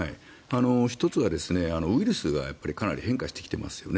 １つはウイルスがかなり変化してきてますよね。